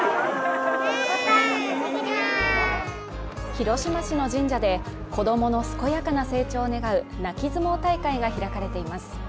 広島市の神社で、子供の健やかな成長を願う泣き相撲大会が開かれています。